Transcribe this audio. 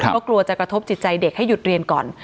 ก็กลัวจะกระทบจิตใจเด็กให้หยุดเรียนก่อน